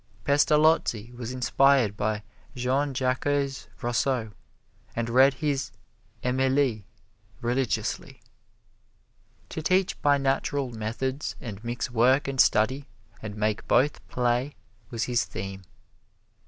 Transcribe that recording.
Pestalozzi was inspired by Jean Jacques Rousseau, and read his "Emile" religiously. To teach by natural methods and mix work and study, and make both play, was his theme.